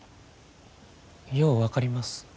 よう分かります。